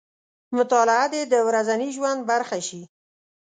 مطالعه دې د ورځني ژوند برخه شي.